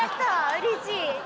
うれしい！